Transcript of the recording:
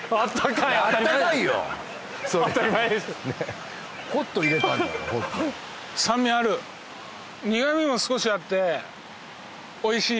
あったかいよ当たり前ですねっホット淹れたんだから酸味ある苦みも少しあっておいしい